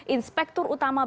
inspektur utama bpop